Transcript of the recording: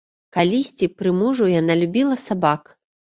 Калісьці, пры мужу, яна любіла сабак.